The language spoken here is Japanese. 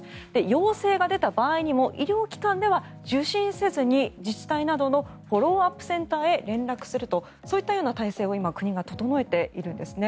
陽性が出た場合にも医療機関では受診せずに、自治体などのフォローアップセンターへ連絡するとそういったような体制を今、国が整えているんですね。